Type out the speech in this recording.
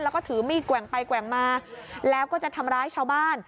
แล้วก็ถือมีดแกว่งไปแกว่งมาแล้วก็จะทำร้ายชาวบ้าน